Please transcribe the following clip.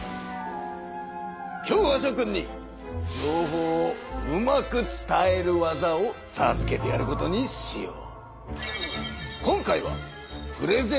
今日はしょ君に情報をうまく伝える技をさずけてやることにしよう。